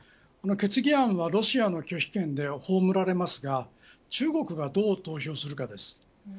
決議案はロシアの拒否権で葬られますが中国がどう投票するかです。